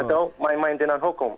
tok main main dengan hukum